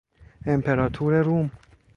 امپراتور روم